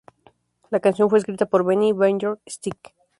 La canción fue escrita por Benny, Björn y Stig.